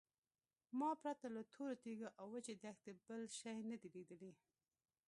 ما پرته له تورو تیږو او وچې دښتې بل شی نه دی لیدلی.